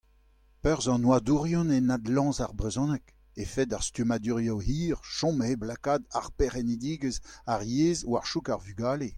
Perzh an oadourien en adlañs ar brezhoneg (efed ar stummadurioù hir, chom hep lakaat adperc'hennidigezh ar yezh war choug ar vugale hepken...).